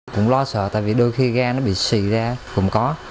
cũng lo sợ tại vì đôi khi ga nó bị xì ra cũng có